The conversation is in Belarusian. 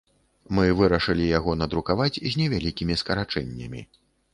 Мы вырашылі яго надрукаваць з невялікімі скарачэннямі.